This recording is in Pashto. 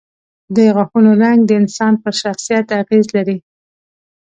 د غاښونو رنګ د انسان پر شخصیت اغېز لري.